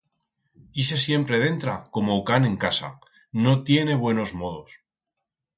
Ixe siempre dentra como o can en casa, no tiene buenos modos!